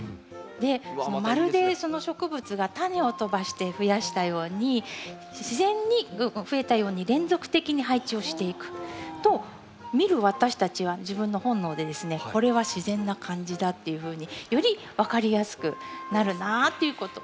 でまるでその植物がタネを飛ばしてふやしたように自然にふえたように連続的に配置をしていくと見る私たちは自分の本能でですねこれは自然な感じだっていうふうにより分かりやすくなるなぁっていうこと。